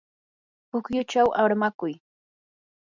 pukyuchaw armakuy.